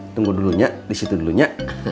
tunggu dulunya disitu dulunya